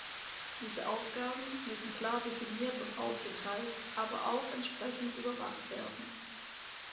Diese Aufgaben müssen klar definiert und aufgeteilt, aber auch entsprechend überwacht werden.